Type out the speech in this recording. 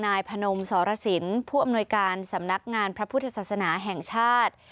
พนมสรสินผู้อำนวยการสำนักงานพระพุทธศาสนาแห่งชาติ